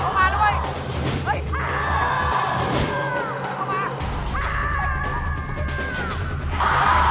อย่าเข้ามา